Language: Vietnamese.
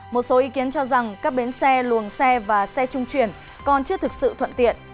một số ý kiến cho rằng các bến xe luồng xe và xe trung chuyển còn chưa thực sự thuận tiện